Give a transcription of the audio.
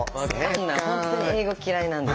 本当英語嫌いなんです。